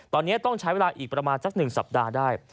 ตอนนี้ต้องใช้เวลาอีกประมาณสัก๑สัปดาห์ได้